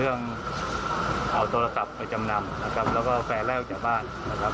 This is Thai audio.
เอาโทรศัพท์ไปจำนำและแฟนแล้วจากบ้าน